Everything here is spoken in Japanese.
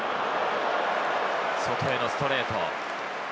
外へのストレート。